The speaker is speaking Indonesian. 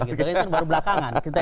itu baru belakangan